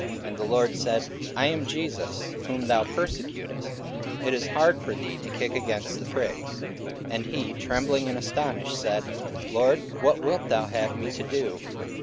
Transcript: And the Lord said, I am Jesus whom thou persecutest: it is hard for thee to kick against the pricks. 44:009:006 And he trembling and astonished said, Lord, what wilt thou have me to do?